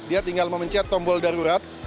dia tinggal memencet tombol darurat